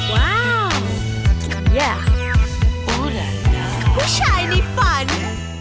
แม่บ้านคุณชานนอยม